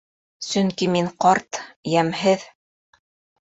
Сөнки... мин ҡарт... йәмһеҙ...